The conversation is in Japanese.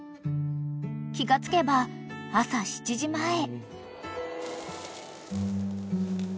［気が付けば朝７時前］